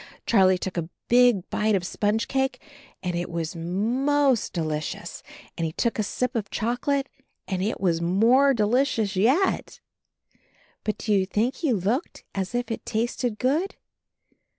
Charlie took a big bite of sponge cake and it was most delicious, and he took a sip of chocolate and it was more delicious yet. But do you think he looked as if it tasted good?